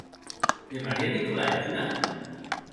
De Maria Nicolaevna?